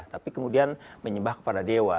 tapi kemudian menyembah kepada dewa